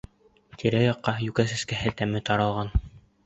Тирә-яҡҡа йүкә сәскәһе тәме таралған.